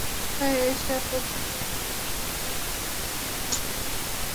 তাই এসব পত্রিকার অনলাইন সংস্করণের জন্য আলাদা নিবন্ধন কোনোভাবেই যুক্তিসংগত নয়।